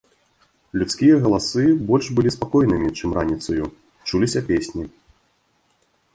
Людскія галасы больш былі спакойнымі, чым раніцаю, чуліся песні.